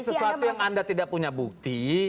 sesuatu yang anda tidak punya bukti